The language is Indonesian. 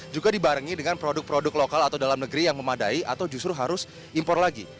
juga dibarengi dengan produk produk lokal atau dalam negeri yang memadai atau justru harus impor lagi